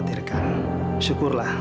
ngeganggu tau gak sih